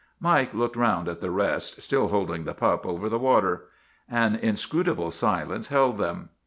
Mike looked around at the rest, still holding the pup over the water. An inscrutable silence held them.